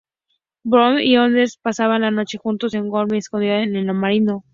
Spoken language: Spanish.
Bond y Anders pasan la noche juntos con Goodnight escondida en el armario.